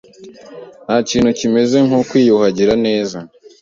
Ntakintu kimeze nko kwiyuhagira neza.